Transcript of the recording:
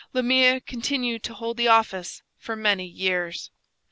Le Mire continued to hold the office for many years.